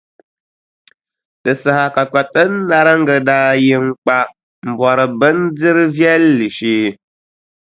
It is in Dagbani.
Di saha ka Kpatinariŋga daa yi n-kpa m-bɔri bindirʼ viɛlli shee.